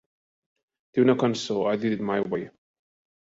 Té una cançó, I Did It My Way.